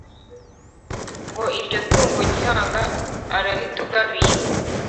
Ngo iryo tungo Gihanga araritugabiye